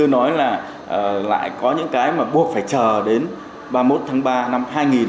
ngoài ra lại có những cái mà buộc phải chờ đến ba mươi một tháng ba năm hai nghìn hai mươi một